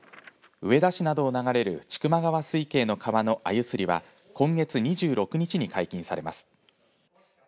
上田市などを流れる千曲川水系の川のアユ釣りは今月２６日に解禁されます。